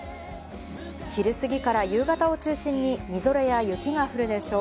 昼過ぎから夕方を中心にみぞれや雪が降るでしょう。